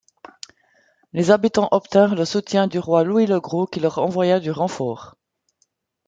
Les habitants obtinrent le soutien du roi Louis-le-Gros qui leur envoya du renfort.